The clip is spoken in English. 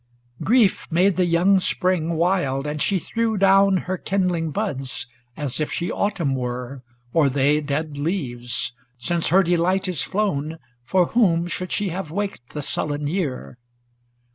XVI Grief made the young Spring wild, and she threw down Her kindling buds, as if she Autumn were. Or they dead leaves; since her delight is flown. ADONAIS 311 For whom should she have waked the sullen year